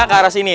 ke arah sini